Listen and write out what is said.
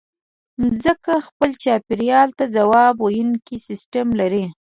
مځکه خپل چاپېریال ته ځواب ویونکی سیستم لري.